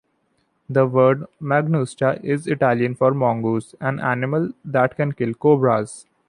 The word "mangusta" is Italian for "mongoose", an animal that can kill cobras.